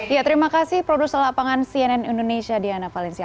ya terima kasih produser lapangan cnn indonesia diana valencia